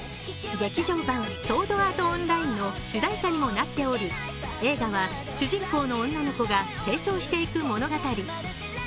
「劇場版ソードアート・オンライン」の主題歌にもなっており映画は主人公の女の子が成長していく物語。